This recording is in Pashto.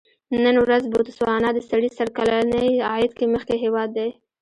نن ورځ بوتسوانا د سړي سر کلني عاید کې مخکې هېواد دی.